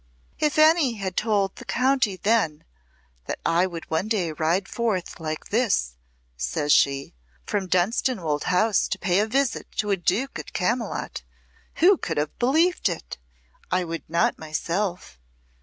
"If any had told the county then that I would one day ride forth like this," says she, "from Dunstanwolde House to pay visit to a Duke at Camylott, who could have believed it? I would not myself.